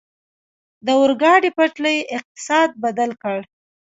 د اورګاډي پټلۍ اقتصاد بدل کړ.